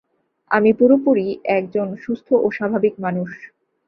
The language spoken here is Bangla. আমি পুরোপুরি এক জন সুস্থ ও স্বাভাবিক মানুষ।